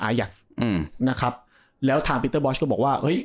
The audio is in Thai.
อยากอืมนะครับแล้วทางปีเตอร์บอสก็บอกว่าเฮ้ย